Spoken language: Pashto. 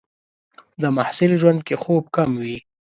د محصل ژوند کې خوب کم وي.